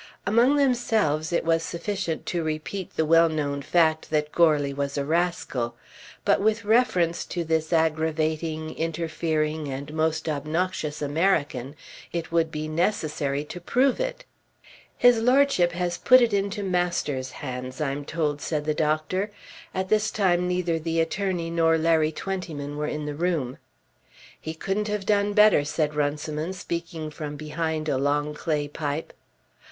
Among themselves it was sufficient to repeat the well known fact that Goarly was a rascal; but with reference to this aggravating, interfering, and most obnoxious American it would be necessary to prove it. "His Lordship has put it into Masters's hands, I'm told," said the doctor. At this time neither the attorney nor Larry Twentyman was in the room. "He couldn't have done better," said Runciman, speaking from behind a long clay pipe.